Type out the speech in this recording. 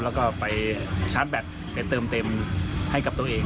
แล้วก็ไปชาร์จแบตไปเติมเต็มให้กับตัวเอง